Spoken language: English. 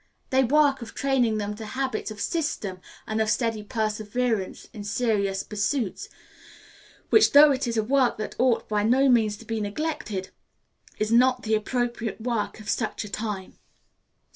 The work of training them to habits of system and of steady perseverance in serious pursuits, which, though it is a work that ought by no means to be neglected, is not the appropriate work of such a time.